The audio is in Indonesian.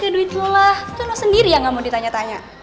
pake duit lo lah itu lo sendiri yang nggak mau ditanya tanya